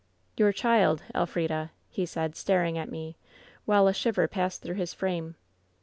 " ^Your child, Elf rida !' he said, staring at me, while a shiver passed through his frame.